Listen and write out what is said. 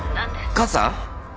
母さん？